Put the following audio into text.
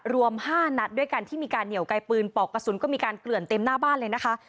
รวม๕นัดด้วยกันที่มีการเหนียวไกลปืนปอกกระสุนก็มีการเกลื่อนเต็มหน้าบ้านเลยนะคะ